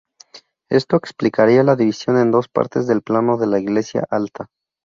Esto explicaría la división en dos partes del plano de la iglesia alta.